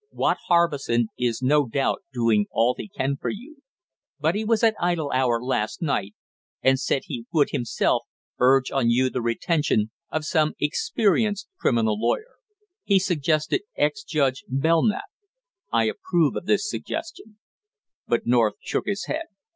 Watt Harbison is no doubt doing all he can for you; but he was at Idle Hour last night, and said he would, himself, urge on you the retention of some experienced criminal lawyer. He suggested Ex judge Belknap; I approve of this suggestion " But North shook his head.